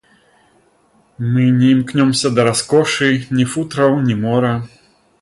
Мы не імкнёмся да раскошы, ні футраў, ні мора.